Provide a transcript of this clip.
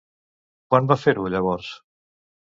Quan va fer-ho, llavors?